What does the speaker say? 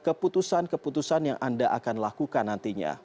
keputusan keputusan yang anda akan lakukan nantinya